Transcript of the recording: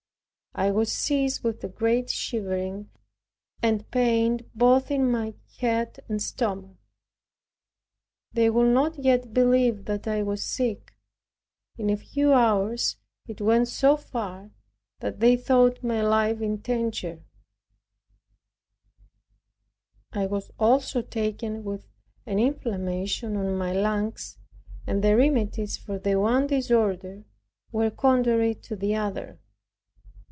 I was seized with a great shivering, and pain both in my head and stomach. They would not yet believe that I was sick. In a few hours it went so far, that they thought my life in danger. I was also taken with an inflammation on my lungs, and the remedies for the one disorder were contrary to the other.